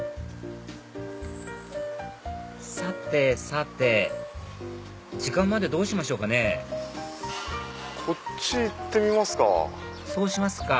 さてさて時間までどうしましょうかねこっち行ってみますか。